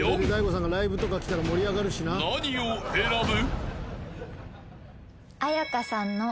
［何を選ぶ？］